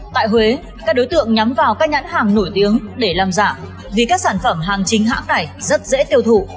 tại huế các đối tượng nhắm vào các nhãn hàng nổi tiếng để làm giả vì các sản phẩm hàng chính hãng này rất dễ tiêu thụ